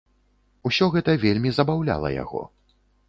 Усё гэта вельмі забаўляла яго.